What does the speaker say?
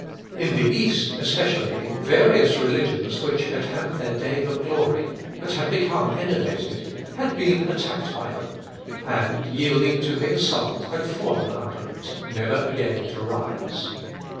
In the East, especially, various religions which had had their day of glory, but had become enervated, had been attacked by them, and, yielding to the assault, had fallen under it, never again to rise.